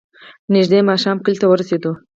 نژدې ماښام کلي ته ورسېدو.